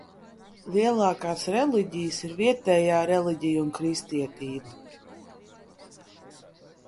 Lielākās reliģijas ir vietējā reliģija un kristietība.